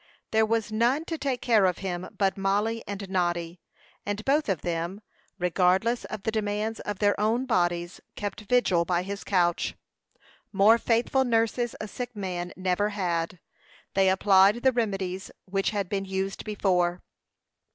There was none to take care of him but Mollie and Noddy; and both of them, regardless of the demands of their own bodies, kept vigil by his couch. More faithful nurses a sick man never had. They applied the remedies which had been used before.